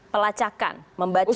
pelacakan membaca track